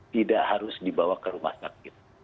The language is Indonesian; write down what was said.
tidak harus dibawa ke rumah sakit